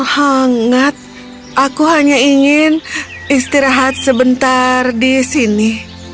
hangat aku hanya ingin istirahat sebentar di sini